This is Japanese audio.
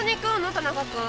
田中君。